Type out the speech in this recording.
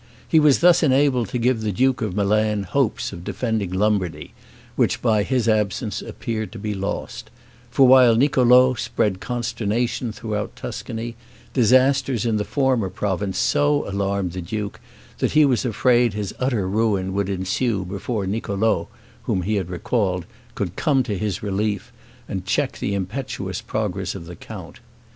He was thus enabled to give the duke of Milan hopes of defending Lombardy, which by his absence appeared to be lost; for while Niccolo spread consternation throughout Tuscany, disasters in the former province so alarmed the duke, that he was afraid his utter ruin would ensue before Niccolo, whom he had recalled, could come to his relief, and check the impetuous progress of the count.